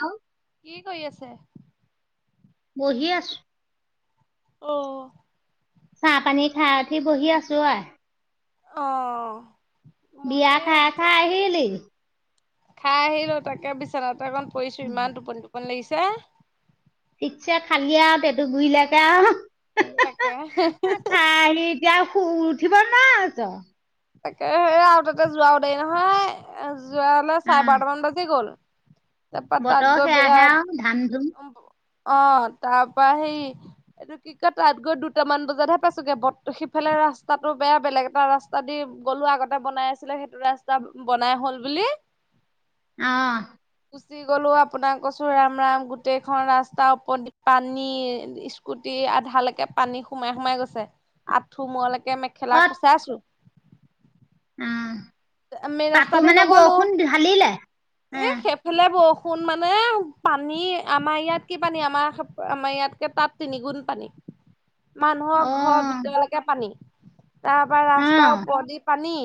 Hello কি কৰি আছে? বহি আছোঁ। অহ'। চাহপানী খাই উঠি বহি আছোঁ অ আই। অহ। বিয়া খাই খাই আহিলি? খাই আহিলো, তাকে বিচনাতে অকণ পৰিছোঁ ইমান টোপনি টোপনি লাগিছে। ঠিকছে খালি আৱ টেটু - গুৰি লেকে আৱ হেঃ হেঃ তাকে হেঃ খাই আহি এতিয়া শুই উঠিব নোৱাৰা হৈছ। তাকে সেয়া আৱ তাতে যোৱাও দেৰি নহয়। এ যোৱালে চাৰে অ', বাৰটামান বাজি গ'ল। তাপা তাত বতৰ গৈ বেয়া, সেয়াহে আৰু ধান ধুম অহ তাৰপৰা সেই এইটো কি কয় তাত গৈ দুটামান বজাতহে পাইছোগে। বত সিফালে ৰাস্তাটো বেয়া বেলেগ এটা ৰাস্তা স্তা দি গ'লো আগতে বনাই আছিলে সেইটো ৰাস্তা বনাই হ'ল বুলি। অহ। গুচি গ'লো, আপোনাক কৈছো ৰাম, ৰাম গোটেইখন ৰাস্তা ওপ পানী স্কুটি আধালৈকে পানী সোমাই, সোমাই গৈছে। আঠু মূৰলৈকে মেখেলা কোচাইছো উম মেইন তাতো ৰাস্তাদি মানে নগলো বৰষুণ ঢালিলে, উম। ফালে বৰষুণ মানে পানী, আমাৰ ইয়াত কি পানী, আমাৰ, আমাৰ ইয়াতকৈ তাত তিনিগুণ পানী। [unintelligible] মানুহৰ ঘৰৰ অ', ভিতৰলৈকে পানী, তাৰ পৰা ৰাস্তাৰ অ', ওপৰদি পানী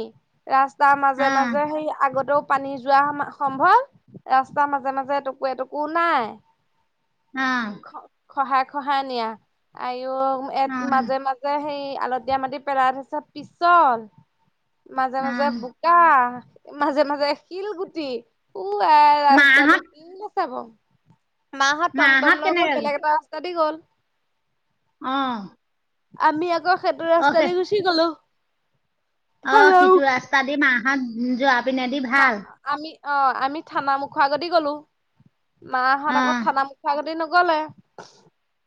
ৰাস্তাৰ মাজে অ', মাজে সেই আগতেও পানী যোৱা সম্ভৱ, ৰাস্তাৰ মাজে-মাজে এটুকু এটুকু নাই। হা। খ-খহাই খহাই নিয়া, আইও এ অ', মাজে-মাজে যে সেই আলতীয়া মাটি পেৰাই থৈছে পিছল, মাজে-মাজে অ', বুক কা মাজে-মাজে শিলগুটি, উহাই ৰাস্তাটো মাহঁত উ গৈছে বাৰু, মা হত মাহঁত টমটম লৈ কেনেকে গ'ল, বেলেগ এটা ৰাস্তা দি গ'ল। অহ'। আমি আকৌ সেইটো ৰাস্তা দি গুচি গ'লো। অ' থানা সিটো ৰাস্তা দি মা হত যোৱা পিনেদি আ ভাল আমি অ' আমি থানা মুখ আগদি গ'লো, মা হত আকৌ থানা অ', মুখ মূখ আগেদি নগ'লে।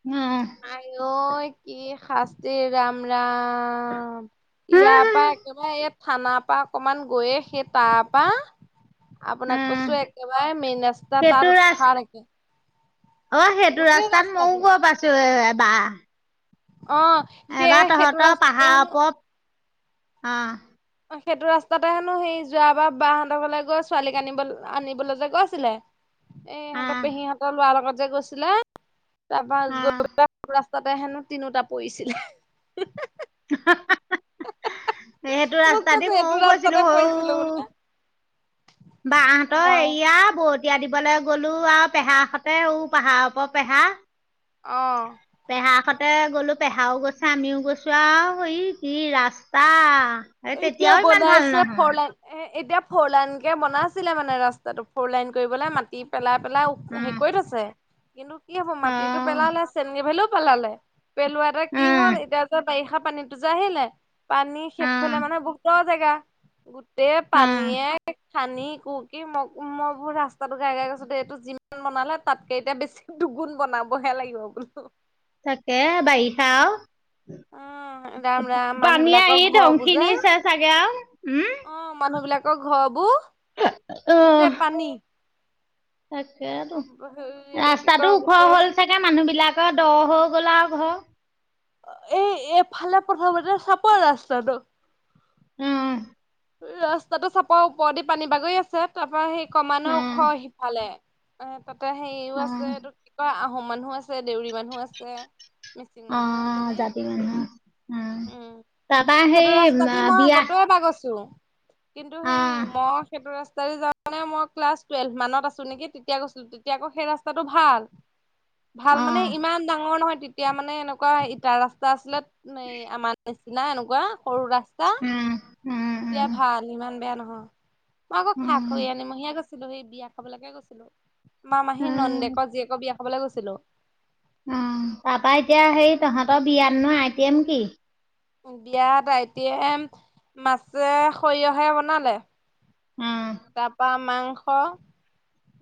উম উম। আই ঐ কি শাস্তি ৰাম ৰাম। অ' ইয়াৰ পৰা একেবাৰে এই থানাৰ পা অকমান গৈয়ে সেই তাৰপা আপোনাক উম, কৈছো, একেবাৰে মেইন ৰাস্তা সেইটো তাত ৰাস উঠা লৈকে। অ' সেইটো ৰাস্তাত মইও ৰাস্তাটো গৈ পাইছো এ-এবাহ। অ'। এবাৰ সেই সেইটো তহঁতৰ ৰাস্তাতে পাহাৰৰ হেনো ওপৰত, অ'। সেইটো ৰাস্তাতে হেনো সেই যোৱাবা বাঁহতৰ ঘৰলৈ গৈ ছোৱালীক আনিবলৈ, আনিবলৈ যে গৈছিলে। এ ইহঁতৰ অ', পেহীহঁতৰ ল'ৰাৰ লগত যে গৈছিলে, তাৰপা অ', গৈ পাই ৰাস্তাতে হেনো তিনিওটা পৰিছিলে, হি হা হা। সেইটো মোক ৰাস্তা কৈছে দি এইটো মইও ৰাস্তাতে গৈছিলো হৌ পৰিছিলো বোলে। বাহঁতৰ এৰিয়া বহুত। এতিয় দিবলৈ গ'লো আৰু পেহা সতে পাহাৰ ওপ পেহা। অঁ। পেহা হতে গ'লো, পেহাও গৈছে আমিও গৈছো আৰু এই কি ৰাস্তা। এই এতিয়া তেতিয়াও ইমান ভাল বনাইছে নহয়, ফলেন। এ' এতিয়া ফৰ লাইন কে বনাইছিলে মানে ৰাস্তাটো ফ'ৰ লাইন কৰিবাই মাটি পেলাই- পেলাই। হে উম, কৰি থৈছে, কিন্তু কি হ'ব মাটিতটো অ', পেলালে চেনগেভেলিও পেলালে। পেলোৱা এটা কি উম, হল এতিয়া যে বাৰিষা পানীতটো যে আহিলে পানী। এইফালে উম, মানে বহুতৰ জেগা, গোটেই উম। পানীয়ে। সানি কু কিি ম মই বহুত ৰাস্তাতটো গাই গাই গৈছো দে এইটো যিমান বনালে তাতকে এতিয়া বেছি [unintelligible] দুগুণ বনাবহে লাগিব বোলো। তাকে বাৰিষা আৰু। উ' ৰাম - ৰাম মানুহ বিলাকৰ আহি ঘৰ ধংসি বোৰ যে, নিছে চাগে আও উম। অ' মানুহ বিলাক। আকৌ ঘৰবোৰ গোটেই পানী। তাকেইতো হেৰি এইটো কি ৰাস্তাতটো কয় ওখ গোটেই হ'ল চাগে মানুহবিলাকৰ দ হৈ গ'ল আৰু ঘৰ। এই এফালে প্ৰথমতে চাপৰ ৰাস্তাটো। উম উহ। ৰাস্তাটো চাপৰ ওপৰদি পানী বাগৰি আছে তা পা সেই ক্ৰমান্বয়ে ওখ অ', সিফালে। এ তাতে সেইৰিও আছে অ', এইটো কিয় আহোম মানুহ আছে দেউৰী মানুহ আছে। মিচিং অ মানুহ আছেনে জাতি মানুহ অ, উম তাপা সেই বিয়া চুহ কিন্তু সেই অ', মহঠ সেইটো ৰাস্তা যাওঁতে মই ক্লাছ টুৱেলভ মানত আছো নেকি তেতিয়া গৈছিলো। তেতিয়া আকৌ সেই ৰাস্তাটো ভাল। ভাল মানে অ', ইমান ডাঙৰ নহয় তেতিয়া মানে এনেকুৱা ইটাৰ ৰাস্তা আছিলে। নেই আমাৰ নিচ- চিনা এনেকুৱা সৰু ৰাস্তা। উহ উ। এতিয়া ভাল ইমান বেয়া নহয় মই আকৌ খাক খৈয়া উম, আনিম মহিয়া আক তিল বায়িত বিয়া খাবলৈকে গৈছিলো, মা মাহী উম, নন্দেকৰ জীয়েকৰ বিয়া খাবলৈ গৈছিলো। উম তা পা এতিয়া সেই তহঁতৰ বিয়াত ন আইটিএম কি? বিয়াত আইটিএম মাছে সৰিয়হে বনালে। উম। তাপা মাংস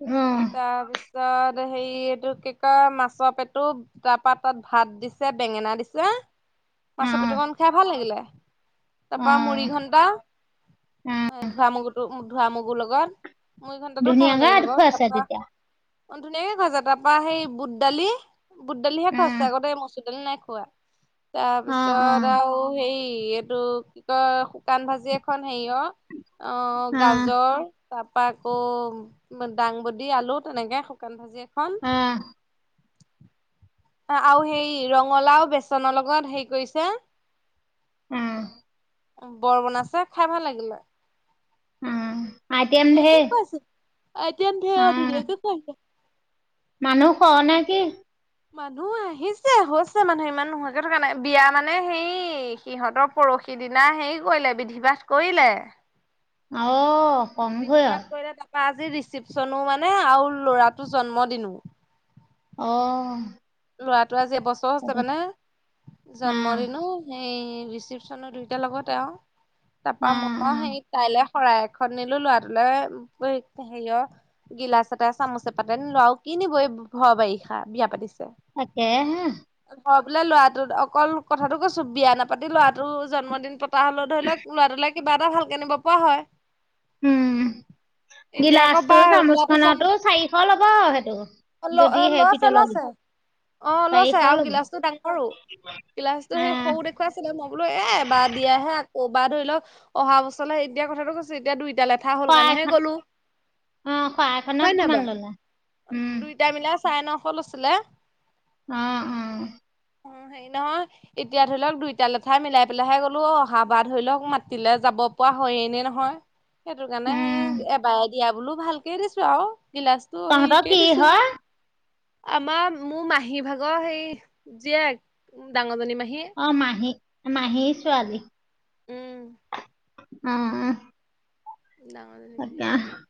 অ', যত হেৰি এইটো কি কয় মাছৰ পেটু তা পা তাত ভাত দিছে, বেঙেনা দিছে। মাছৰ পেটু অ', কণ খাই ভাল লাগিলে। তা পা মুৰি অ', ঘন্টা, অ'। ধোৱা মগুো ধোৱা মগুৰ লগত। মুৰি ঘণ্টাটো খাব ধুনীয়াকে লাগিলে বাৰু দেখুৱাই তা আছে পা তেতিয়া। অ ধুনীয়াকে খোৱাইছে তা পা সেই বুট দালি বুট দালিহে খোৱাছে অ', আগতে মচুৰ দালি নাই খোৱা তাৰ পিছত অ', আৰু সেই এইটো কি কয় শুকান ভাজি এখন সেই অ অ', গাজৰ তা পা আকৌ দাংবডী আলু তেনেকে শুকান ভাজি এখন। আহ। আও সেই ৰঙালাও বেচনৰ লগত সেই কৰিছে। অহ। বৰ বনাইছে খাই ভাল লাগিলে। অ', আইটেম ধুনীয়াকে ঢেৰ। খোৱাছে আইটেম ঢেৰ আও অ', ধুনীয়াকে খোৱাইছে। মানুহ হ নেকি? মানুহ আহিছে, হৈছে মানুহ ইমান নোহোৱাকে থকা নাই বিয়া মানে সেই সিহঁতৰ পৰহি দিনা সেই কৰিলে বিধি পাঠ কৰিলে। অহ। বিধি পাঠ কৰিলে তা পা আজি ৰিচিপচনো মানে আও ল'ৰাটো জন্মদিনো। অ। ল'ৰাটো আজি এবছৰ হৈছে সেইটো মানে অ', জন্মদিনো। সেই ৰিচিপচনৰ দুয়োটাৰ লগতে আও অ', তাপা মই অ', সেইক তাইলে শৰাই এখন নিলো লৰাটোলৈ হেৰিয় গিলাচ এটা চামুচ পাতে নিলো আও কি নিব এই ভৰ বাৰিষা বিয়া পাতিছে। তাকে হে। ঘৰ বোলে ল'ৰাটোত অকল কথাটো কৈছো বিয়া নাপাতি লৰাটো জন্মদিন পাত তা হলো ধৰি লওক লৰাটোলে কিবা এটা ভালকে নিব পৰা হয়। উম, এতিয়া আকৌ গিলাচটো বা চামুচ ল'ৰাটো জন্ম খনতো চাৰিশ ল'ব সেইটো। যদি ল সেই লৈছে পিতলৰ গিলাচ। লৈছে। অ' চাৰিশ লৈছে আৰু ল'ব গিলাচ টো ডাঙৰো গিলাচটো সেই অ', সৰু দে আছিলে মই বোলো এবাৰ দিয়াহে আ ক'বাৰ ধৰি লওক অহা বছৰলে এতিয়া কথাটো কৈছো এতিয়া দুইটালৈ কথা হল শৰাই কাৰণেহে এখন গ'লো অ', শৰাই এখনত হয় ন' কিমান ল'লা? বাৰু উম, দুই দুইটা মিলাই চাৰে নশ লৈছিলে। অ', অ'। হেৰী নহয় এতিয়া ধৰি লওক দুইটা লেঠাই মিলাই পেলাইহে গলো অহা বা ধৰি লওক মাতিলে যাব পৰা হয়য়ে নে নহয়। সেইটো কাৰণে সেই উম, এবাৰে দিয়া বোলো ভালকে দিছো আৰু গিলাচ তো তহঁতৰ হেৰিকে কি দিছো হয় আমাৰ মোৰ মাহী ভাগৰ সেই জিয়েক ডাঙৰজনী মাহী। অ' মাহী মাহী ছোৱালী? উম,। অ', ডাঙৰ জনি মাহী তাকে ছোৱালী।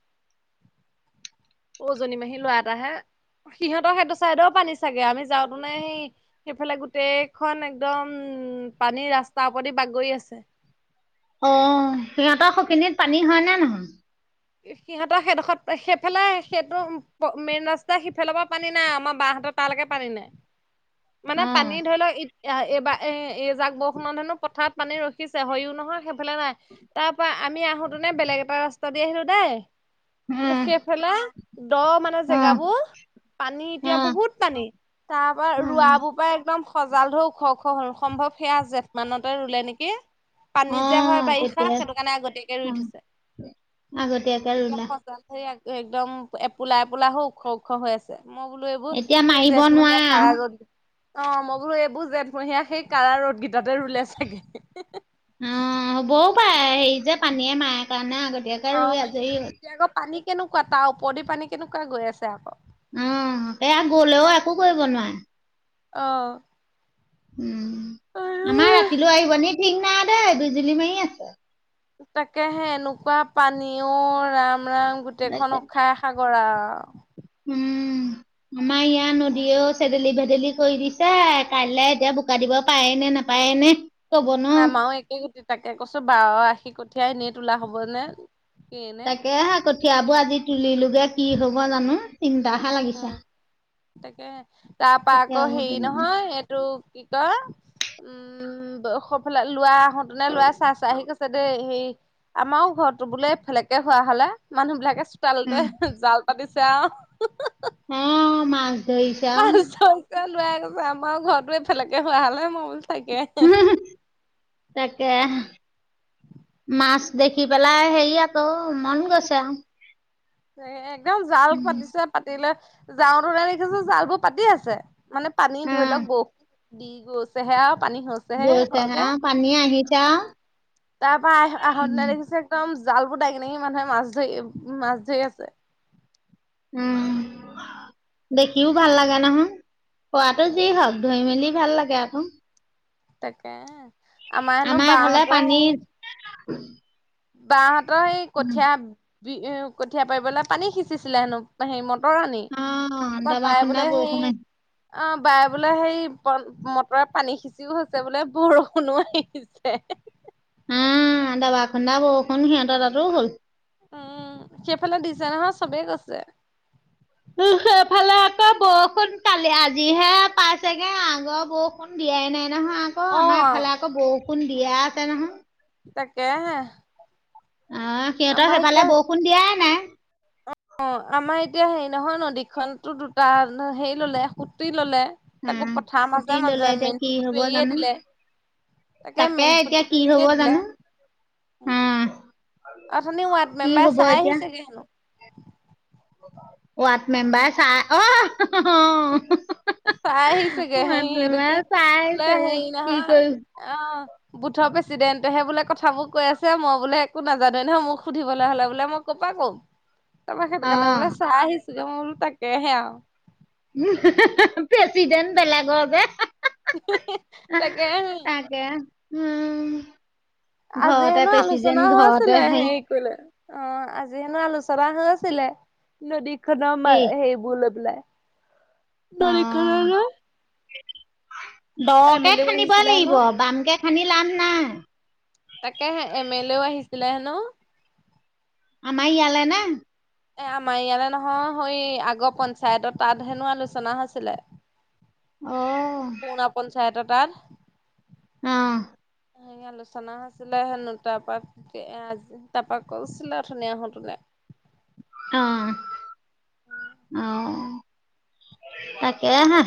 সৰুজনী মাহী লৰা এটাহে সিহঁতৰ সেইটো চাইদেও পানী চাগে আমি যাওঁতো নে সি সেইফালে গোটেইখন একদম উম পানীৰ ৰাস্তাৰ ওপৰেদি বাগৰি আছে। অ' সিহঁতৰ সেইখিনিত পানী হয় নে নহয়? সিহঁতৰ সেইডোখৰত সেইফালে সেইটো মেইন ৰাস্তা সিফালৰ পৰা পানী নাই আমাৰ বাহতৰ তালৈকে পানী নাই মানে অ পানী ধৰি লওক এ' এইবাৰ এ' এই যাক বৰষুণত সেনো পথাৰত পানী ৰখিছে হয়ও নহয় সেইফালে নাই তাৰ পা আমি আহোতে নে বেলেগ এটা ৰাস্তা দি আহিলো দেই। উম সেইফালে দ মানে অ জেগাবোৰ পানী অ এতিয়া বহুত পানী তাৰ পৰা অ ৰোৱাবোৰ পৰা একদম সজাল ধৰ ওখ ওখ হল সম্ভৱ সেয়া জেঠ মানতে ৰুলে নেকি। অ পানী যে হয় বাৰিষা সেইটো কাৰণে আগতীয়াকে ৰুই থৈছে। আগতীয়াক এতিয়া সজা সেৰি একদম এপোলা এপোলা হ ওখ ওখ হৈ আছে মই বোলো এইবোৰ এতিয়া এই মাৰিব জেঠমহীয়া নোৱাৰা কাৰা‌ ৰ'দ অ' মই বোলো এইবোৰ জঠমহীয়া সেই কাৰা ৰ'দ কেইটাতে ৰুলে চাগে। উম' হ'বও পাৰে হেৰি যে পানীয়ে মায়ে কাৰণে আগতীয়াক অ' এতিয়া আকৌ পানী কেনেকুৱা তাৰ ওপৰদি পানী কেনেকুৱা গৈ আছে আকৌ অ' এয়া গলেও একো কৰিব নোৱাৰে। অঁ',। উম' আমাৰ আৰু ৰাতিলৈ আহিবনি ঠিক নাই দেই বিজুলি মাৰি আছে। তাকেহে এনেকুৱা পানীও ৰাম ৰাম তাকে গোটেইখন উশাহ সাগৰ আৰু। উম' আমাৰ ইয়াত নদীয়েও চেদেলি ভেদেলি কৰি দিছে। ছে কাইলৈ এতিয়া বোকা দিব পাৰে নে নাপায় নে ক'ব নোৱাৰো আমাৰও একে কটি দুটাকে কৈছো বাৰ আশী কঠীয়াই এনেই তোলা হবনে তাকেহে কঠিয়াবোৰ আজি তুলিলোগে কি হব জানো চিন্তাহে উম লাগিছে তাকে তাৰ পৰা আকৌ কঠিয়াবোৰ হেৰি তুলি নহয় এইটো কি কয় উম সৌফালে লোৱা আহোতে নে লোৱা চাই চাই আহি ক দেই হে আমাৰো ঘৰটো বোলে সেইফালেকে হোৱা হলে মানুহ বিলাকে তালতে উম জাল পাতিছে আও, হেহ হেহ। অ মা- মা চৌকা লোৱাই গৈছে আমাৰ ঘৰতো এফালেকে হোৱা হ'লে মই বোলো তাকে। তাকে। মাছ দেখি পেলাই হেৰি আকৌ মন উম গৈছে আৰু। একদম জাল উম। পাতিছে, পাতি লৈ যাওঁতো দেখিছো জাল বোৰ পাতি আছে। মানে পানী অ ধৰি লওক বৰ দি গৈছেহে আৰু পানী হৈছে। সেই গৈছে হা সৰকে। পানী আহিছে অ, আৰু তাৰ পৰা আহ আহা দিনা উম। দেখিছে, একদম জাল বোৰ দাঙি দাঙি মানুহে মাছ ধৰি উম মাছ ধৰি আছে। উম দেখিও ভাল লাগে নহয়, পোৱাটো যি উম। হওক। ধুই মেলি ভাল লাগে আকৌ। তাকে, আমাৰ হেনো বা হতৰ সেই, [unintelligible] বাহ হতৰ সেই উম, কঠীয়া বি কঠীয়া পাৰিবলৈ পানী সিঁচিছিলে হেনো। হেৰি মটৰ আনি। অ তাপা দবা বাই খুন্দা বোলে হেই, বৰষুণ আহি অ বাই বোলে হেৰি মটৰে পানী সি- সিছিও হৈছে বোলে বৰষুণো আহিছে। উম দাবা খন্দা বৰষুণ সিহঁতৰ তাতো হ'ল। উম, সেইফালে দিছে নহয় চবেই কৈছে। সেই ফালে আকৌ, বৰষুণ কালি আজিহে পাইছেগে আগৰ বৰষুণ দিয়াই নাই নহয় আ, আকৌ অ আমাৰ এইফালে আকৌ বৰষুণ দিয়ে আছে নহয়। তাকেহে। অ সিহঁতৰ আমাৰ এতিয়া সেইফালে বৰষুণ দিয়াই নাই। অ আমাৰ এতিয়া হেৰি নহয় নদীখনতো দুটা হেৰি ললে সুটি ললে। অ তাকো পথাৰ কুটি মাজে ললে মাজে, এতিয়া মেইন কি হব সুতিটো এৰিয়ে জানো দিলে। তাকে তাকে মেইন এতিয়া কি সুতিটো হব এৰিয়ে দিলে। জানো অ উম অথনি ৱাৰ্ড কি মেম্বাৰ হব চাই এতিয়া আহিছেগে হেনো। ৱাৰ্ড মেম্বাৰ চাই অ অহ-হহ অ। হহ চাই হ, আহিছেগে ৱাৰ্ড হেৰি এইটো কি মেমবাৰে চাই আহিছেগে কি কৰি- অঁ। বুথৰ প্ৰেচিডেণ্টহে বোলে কথাবোৰ কৈ আছে মই বোলে একো নাজানো নহয়, মোক সুধিবলৈ হ'লে বোলে মই ক'প পৰা ক'ম। তাৰপা সেইটো কাৰণে অ', বোলে চাই আহিছো মই বোলো তাকেহে আৰু। উম হেহ হেহ হে প্ৰেচিডেণ্ট বেলেগক যে। হেহ হেহ হেহ তাকেহে। দিয়া উম। আজি ঘৰতে হেনো আলোচনা প্ৰেচিডেন্ট ঘৰতে হৈছিলে হেৰি সেই, অ আজি হেনো আলোচনা হৈছিলে, নদী খনৰ মা কি সেই, গল পলাই নখ অ', ন [unintelligible] এম দ-কে এল এও খান্দিব আহিছিলে লাগিব হেনো বামকে খান্দি লাভ নাই। তাকেহে, এম এল এও আহিছিলে হেনো। আমাৰ ইয়ালে নে? এ আমাৰ ইয়ালে নহয়, সৈ আগৰ পঞ্চায়তৰ তাত হেনো আলোচনা হৈছিলে। অ। গাঁও পঞ্চায়তৰ তাত। অঁ। হে আলোচনা হৈছিলে হেনো তা পা কজ তাৰপাক কৈছিলে ধুনীয়া আহো তোনে। অ অও তাকে হা।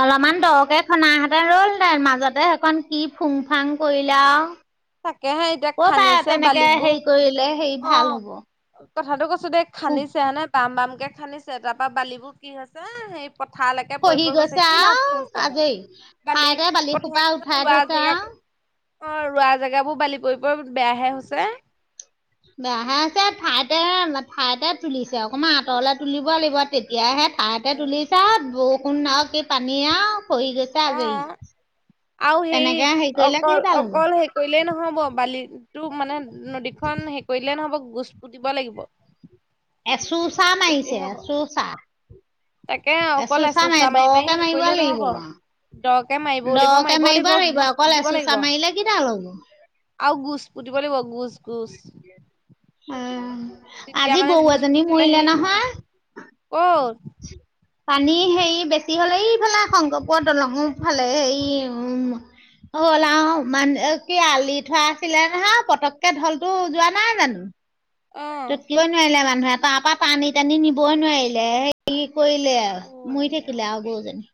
অলপমান দৰকে খনাহঁতে ৰল হেঁতেন মাজতে সেইখন কি ফুং ফাং কৰিলে আ। তাকেহে এতিয়া ক পা খান্দিছে তেনেকে হেৰি কৰিলে হেৰি ভাল হ'ব। উ কথাতটো কৈছো দে খান্দিছে হানে বাম বাম কে খান্দিছে তাৰ পৰা বালিবোৰ কি হৈছে হেই। পথাৰলৈকে পৰি খহি পৰি গৈছে কি লাভ আও কি হৈছে বাৰু আজৰি বালি ঠাইতে সোপা পথাৰখন উঠাই ৰোৱা থৈছে আও জেগাত। অ ৰোৱা জেগাবোৰ বালি পৰি পৰি বেয়াহে হৈছে। বেয়াহে হৈছে ঠাইতে ঠাইতে তুলিছে অকনমান আঁতৰলে তুলিব লাগিব তেতিয়াহে ঠাই। তাতে তুলিছা আ বৰষুণ আও কি পানী আও খৰি গৈছে। অ আজৰি আৰু সেই তেনেকে হেৰি কৰিলে অকল কেইডাল হ'ব অকল সেই। কৰিলে নহ'ব বালি টো মানে নদীখন হে কৰিলে নহ'ব গোচ পুতিব লাগিব। এচো চা মাৰিছে তেতিয়াহে হব এ চো চা। তাকে অকলে চোচা মাৰি মাৰি দকে হে মাৰিব কৰিলে নহ'ব। লাগিব দৰকে মাৰিব লাগিব দকে মাৰিবও মাৰিব লাগিব গোচ অকল পুতিব এচোচা লাগিব। মাৰিলে কিডাল হ'ব আৰু ঘুচ পুতিব লাগিব ঘুচ ঘুচ। অ আজি মানে গৰু গোজ এজনী পুতিলে মৰিলে হেৰি নহ'ব নহয়। ক'ত। পানী হেৰি বেছি হ'লে এইফালে শংকৰপুৰৰ দলংৰ ফালে এই উ। হ'ল আহ মান কি আলি থোৱা আছিলে নহয় পতককে ঢল যোৱা নাই জানো। অ তাত কিবই নোৱাৰিলে মানুহে তাৰ পৰা পানী টানি নিবৈ নোৱাৰিলে। কি কৈলে মই অ'। থাকিলে আ গৰুজনী।